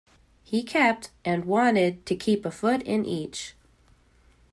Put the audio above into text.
He kept and wanted to keep a foot in each.